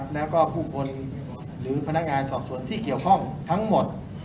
แล้วก็ผู้คนหรือพนักงานสอบส่วนที่เกี่ยวข้องทั้งหมด